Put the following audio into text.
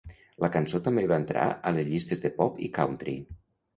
La cançó també va entrar a les llistes de pop i country.